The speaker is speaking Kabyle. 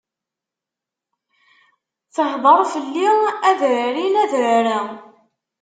Tehdeṛ fell-i adrar-in adrar-a.